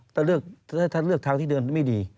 ถ้าท่านเลือกทางที่เดินไม่ดี